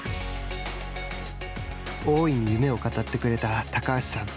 大いに夢を語ってくれた高橋さん。